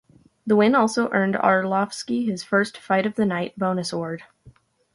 The win also earned Arlovski his first "Fight of the Night" bonus award.